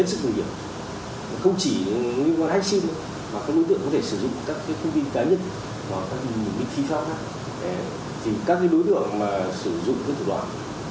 tùy vào cái chất hướng độ của quốc đội